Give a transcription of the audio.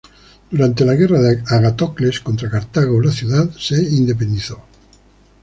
Durante la guerra de Agatocles contra Cartago la ciudad se independizó.